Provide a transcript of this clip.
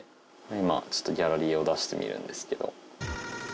今ちょっとギャラリーを出してみるんですけど。